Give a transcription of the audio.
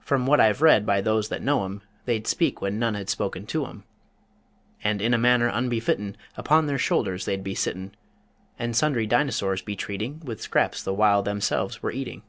From what I've read by those that knew 'em They'd speak when none had spoken to 'em, And in a manner unbefittin' Upon their shoulders they'd be sittin', And sundry dinosaurs be treating With scraps the while themselves were eating.